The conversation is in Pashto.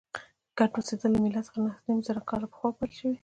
ګډ اوسېدل له میلاد څخه نهه نیم زره کاله پخوا پیل شوي.